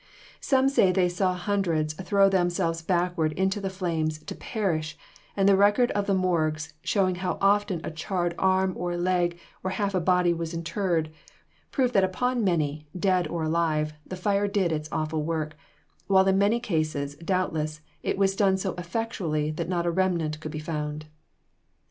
Some say they saw hundreds throw themselves backward into the flames, to perish, and the record of the morgues, showing how often a charred arm or leg or half a body was interred, prove that upon many, dead or alive, the fire did its awful work, while in many cases, doubtless, it was done so effectually that not a remnant could be found.